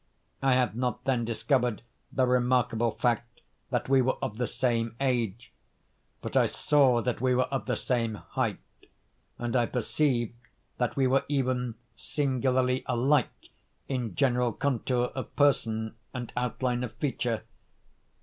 I had not then discovered the remarkable fact that we were of the same age; but I saw that we were of the same height, and I perceived that we were even singularly alike in general contour of person and outline of feature.